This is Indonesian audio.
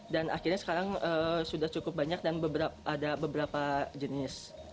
dan akhirnya sekarang sudah cukup banyak dan ada beberapa jenis